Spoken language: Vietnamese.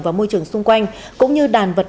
và môi trường xung quanh cũng như đàn vật